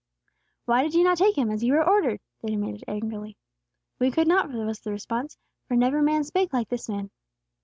"Why did ye not take Him, as ye were ordered?" they demanded angrily. "We could not," was the response; "for never man spake like this man."